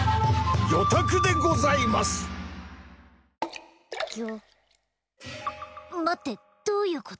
魚拓でございますぎょっ待ってどういうこと？